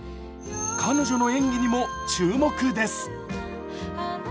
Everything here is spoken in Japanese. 彼女の演技にも注目です。